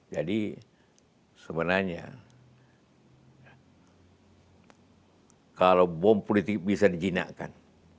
jadi sebenarnya kalau bom politik bisa dijinakkan